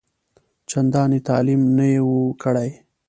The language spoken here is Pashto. چنداني تعلیم نه وو کړی.